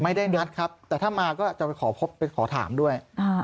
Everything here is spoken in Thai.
ไม่ได้นัดครับแต่ถ้ามาก็จะไปขอพบไปขอถามด้วย